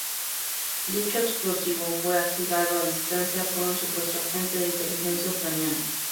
Dicho explosivo fue activado a distancia por un supuesto agente de inteligencia ucraniano.